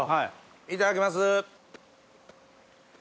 いただきます。